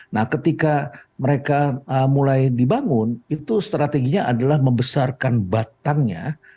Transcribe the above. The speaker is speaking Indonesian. nah ketika mereka mulai dibangun itu strateginya adalah membesarkan batangnya